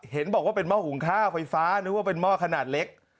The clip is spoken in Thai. เห็นบอกว่าเป็นหม้อหุงข้าวไฟฟ้านึกว่าเป็นหม้อขนาดเล็ก